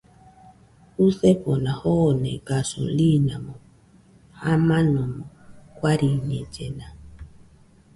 Jusefona joone gasolimo jamanomo guariñellena